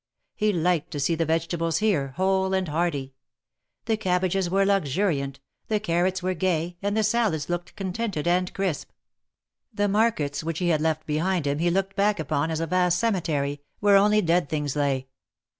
He liked to see the vegetables here, whole and hearty. The cabbages were luxuriant; the carrots were gay, and the salads looked contented and crisp. The markets which he had left behind him he looked back upon as a vast cemetery, where only dead things lay.